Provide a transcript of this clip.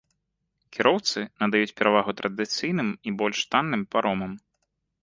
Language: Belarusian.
Кіроўцы надаюць перавагу традыцыйным і больш танным паромам.